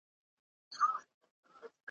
پر خپل ځان باندي تاویږو بس په رسم د پرکار ځو ,